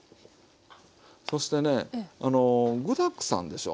そしてね具だくさんでしょ。